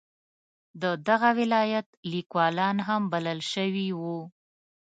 د دغه ولایت لیکوالان هم بلل شوي وو.